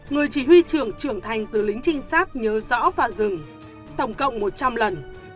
người chỉ huy trưởng trưởng thành từ lính trinh sát nhớ rõ phạm rừng tổng cộng một trăm linh lần